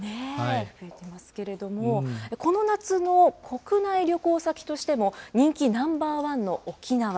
増えていますけれども、この夏の国内旅行先としても、人気ナンバー１の沖縄。